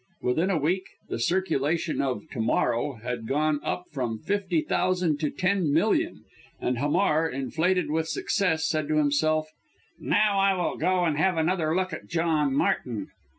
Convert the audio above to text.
Within a week, the circulation of To morrow had gone up from fifty thousand to ten million, and Hamar, inflated with success, said to himself, "Now I will go and have another look at John Martin."